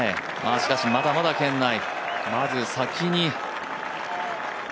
しかしまだまだ圏内、まず先に。